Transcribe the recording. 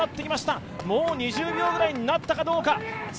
もう２０秒ぐらいになったかどうか。